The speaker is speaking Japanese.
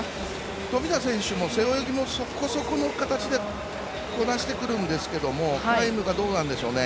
富田選手も背泳ぎもそこそこの形でこなしてくるんですけれどもタイムがどうなんでしょうね。